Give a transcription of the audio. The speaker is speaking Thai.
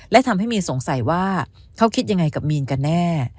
และทำให้มีนสงสัยว่าเขาคิดยังไงกับมีนกันแน่